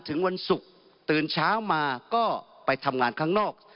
ถึงวันศุกร์ตื่นเช้ามาก็ไปทำงานข้างนอก